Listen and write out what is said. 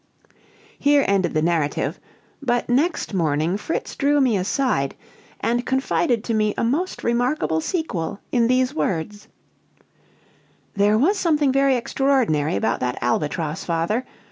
Here ended the narrative; but next morning Fritz drew me aside, and confided to me a most remarkable sequel, in these words: "There was something very extraordinary about that albatross, father.